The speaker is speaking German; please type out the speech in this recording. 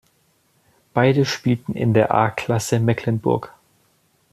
Beide spielten in der A-Klasse Mecklenburg.